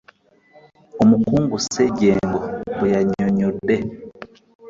Omukungu Ssejjengo bwe yannyonnyodde.